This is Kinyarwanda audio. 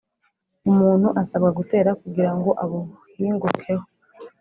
umuntu asabwa gutera, kugira ngoabuhingukeho